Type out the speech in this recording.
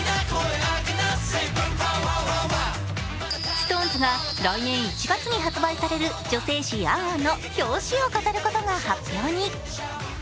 ＳｉｘＴＯＮＥＳが来年１月に発売される女性誌「ａｎ・ａｎ」の表紙を飾ることが発表に。